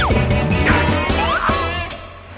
ไลค์